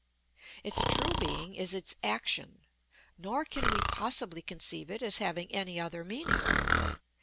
Its true being is its action, nor can we possibly conceive it as having any other meaning.